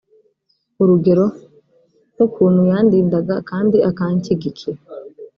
urugero nk ukuntu yandindaga kandi akanshyigikira